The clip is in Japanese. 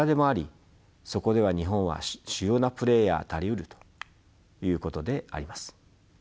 そこでは日本は主要なプレーヤーたりうるということであります。